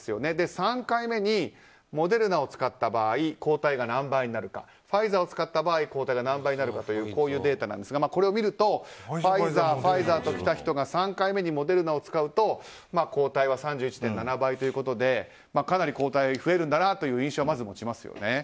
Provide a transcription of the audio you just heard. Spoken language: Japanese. ３回目にモデルナを使った場合抗体が何倍になるかファイザーを使った場合抗体が何倍になるかというデータなんですがこれを見るとファイザー、ファイザーと来た人が３回目にモデルナを使うと抗体は３１．７倍ということでかなり抗体が増えるんだという印象をまず持ちますよね。